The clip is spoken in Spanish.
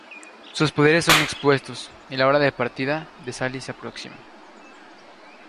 Sus poderes son expuestos, y la hora de la partida de Sally se aproxima.